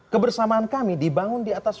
kebersamaan kami dibangun di atas